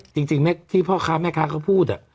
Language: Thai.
จริงที่พ่อค้าแม่ค้าเขาพูด